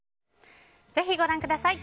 ぜひ、ご覧ください。